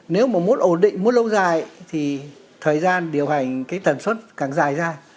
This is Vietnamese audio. nếu mà muốn ổn định muốn lâu dài thì thời gian điều hành cái tần suất càng dài ra